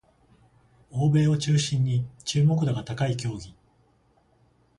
欧米を中心に注目度が高い競技